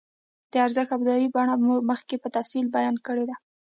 د ارزښت ابتدايي بڼه مو مخکې په تفصیل بیان کړې ده